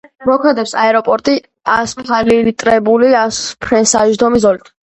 მოქმედებს აეროპორტი ასფალტირებული ასაფრენ-დასაჯდომი ზოლით.